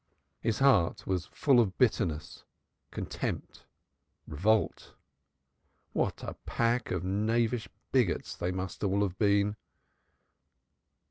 His heart was full of bitterness, contempt, revolt. What a pack of knavish bigots they must all have been!